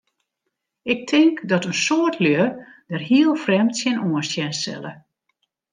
Ik tink dat in soad lju dêr hiel frjemd tsjinoan sjen sille.